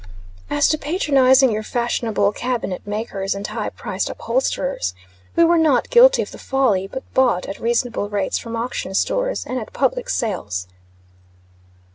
As to patronizing your fashionable cabinet makers and high priced upholsterers, we were not guilty of the folly, but bought at reasonable rates from auction stores and at public sales.